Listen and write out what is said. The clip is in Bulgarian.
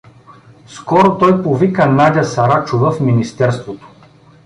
Скоро той повика Надя Сарачова в министерството.